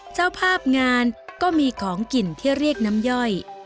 เจ้าภาพงานก็มีของกินที่เรียกน้ำย่อย